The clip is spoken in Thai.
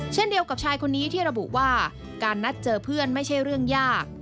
เช่นเดียวกับชายคนนี้ที่ระบุว่าการนัดเจอเพื่อนไม่ใช่เรื่องยาก